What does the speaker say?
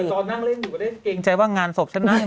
ตอนนั่งเล่นอยู่ก็ได้เกรงใจว่างานศพใช่ไหม